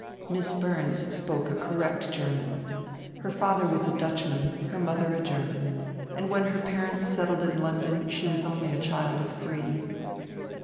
Miss Burns spoke a correct German. Her father was a Dutchman, her mother a German, and when her parents settled in London, she was only a child of three.